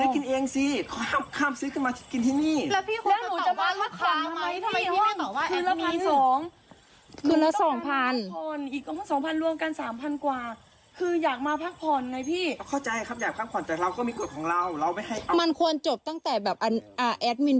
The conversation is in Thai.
คือหิวข้าวจะให้ซื้อมะม่าขึ้นมากินใช่มั้ยบินมาจากกรุงเทพฯขับรถมา๑๓ชั่วโมง